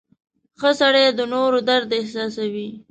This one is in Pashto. • ښه سړی د نورو درد احساسوي.